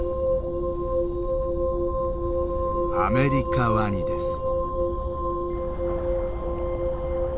アメリカワニです。